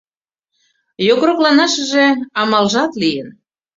Йокрокланашыже амалжат лийын.